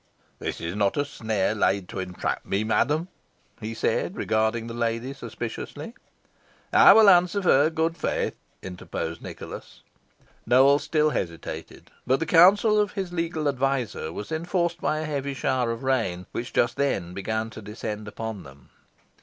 "This is not a snare laid to entrap me, madam?" he said, regarding the lady suspiciously. "I will answer for her good faith," interposed Nicholas. Nowell still hesitated, but the counsel of his legal adviser was enforced by a heavy shower of rain, which just then began to descend upon them.